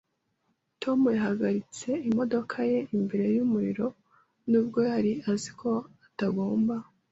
Tom yahagaritse imodoka ye imbere y’umuriro nubwo yari azi ko atagomba